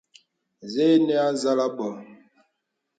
Zɛ̂ ìnə̀ à zàl àbɔ̄m.